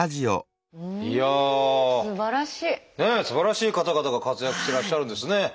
すばらしい方々が活躍してらっしゃるんですね。